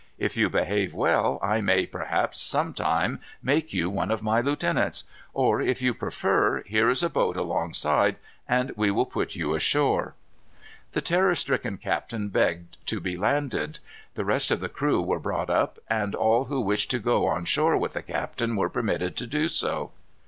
If you behave well, I may, perhaps, some time, make you one of my lieutenants. Or, if you prefer, here is a boat along side, and we will put you ashore." The terror stricken man begged to be landed. The rest of the crew were brought up, and all who wished to go on shore with the captain were permitted to do so.